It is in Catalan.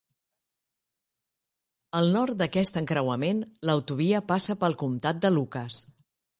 Al nord d'aquest encreuament, l'autovia passa pel comtat de Lucas.